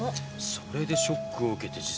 それでショックを受けて自殺か？